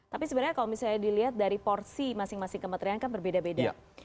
tapi sebenarnya kalau misalnya dilihat dari porsi masing masing kementerian kan berbeda beda